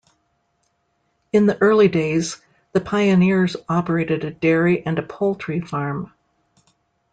In the early days, the pioneers operated a dairy and a poultry farm.